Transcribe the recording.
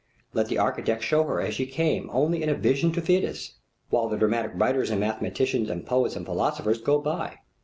Let the architect show her as she came only in a vision to Phidias, while the dramatic writers and mathematicians and poets and philosophers go by.